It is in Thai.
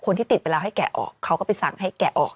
ที่ติดไปแล้วให้แกะออกเขาก็ไปสั่งให้แกะออก